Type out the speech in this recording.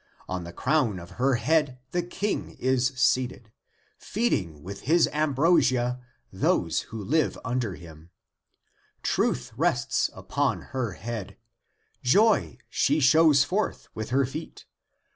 On the crown of her head the King is seated Feeding with his ambrosia those who live under him Truth rests upon her head, Joy she shows forth with her feet.